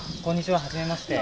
はじめまして。